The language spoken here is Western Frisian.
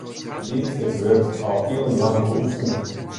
Yndied, it wurdt al iuwenlang beoefene.